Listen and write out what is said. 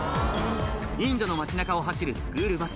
インドの街中を走るスクールバス